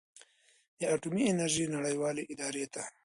د اټومي انرژۍ نړیوالې ادارې ته